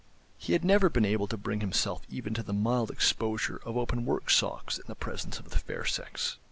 He had never been able to bring himself even to the mild exposure of open work socks in the presence of the fair sex.